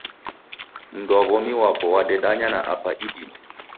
Mundu wa w'omi wapo wadendanya na apa idime.